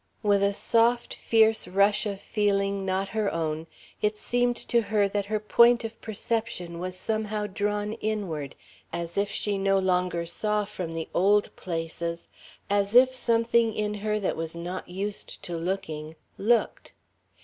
... With a soft, fierce rush of feeling not her own, it seemed to her that her point of perception was somehow drawn inward, as if she no longer saw from the old places, as if something in her that was not used to looking, looked.